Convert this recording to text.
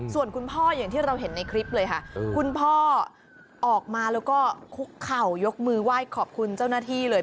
ส่วนคุณพ่ออย่างที่เราเห็นในคลิปเลยค่ะคุณพ่อออกมาแล้วก็คุกเข่ายกมือไหว้ขอบคุณเจ้าหน้าที่เลย